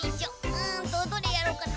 うんとどれやろうかな